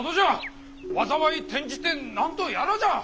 災い転じて何とやらじゃ！